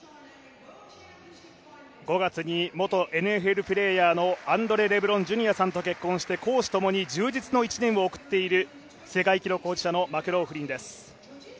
５月に元ＮＦＬプレーヤーのアンドレ・レブロン・ジュニアさんと結婚して公私ともに充実の１年を送っている世界記録保持者のマクローフリンです。